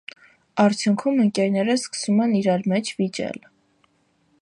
Արդյունքում ընկերները սկսում են իրար մեջ վիճել։